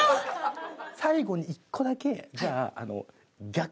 最後に１個だけじゃあ逆にして。